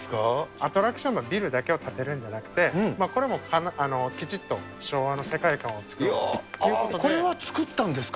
アトラクションのビルだけを建てるんじゃなくて、これもきちっと昭和の世界観を作るというここれは作ったんですか？